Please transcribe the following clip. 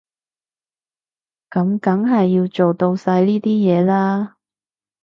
噉梗係要做到晒呢啲嘢啦